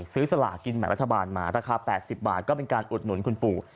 ซื้อสลากินหมายรัฐบาลมาราคาแปดสิบบาทก็เป็นการอดหนุนคุณปู่